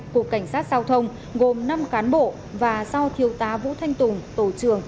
của cảnh sát giao thông gồm năm cán bộ và sau thiếu tá vũ thanh tùng tổ trưởng